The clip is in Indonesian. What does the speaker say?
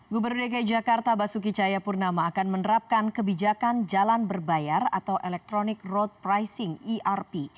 gubernur dki jakarta basuki cahayapurnama akan menerapkan kebijakan jalan berbayar atau electronic road pricing erp